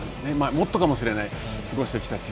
もっとかもしれない。